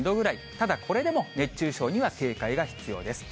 ただこれでも熱中症には警戒が必要です。